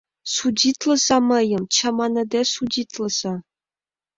Судитлыза мыйым... чаманыде судитлыза!